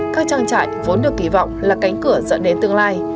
các trang trại vốn được kỳ vọng là cánh cửa dẫn đến tương lai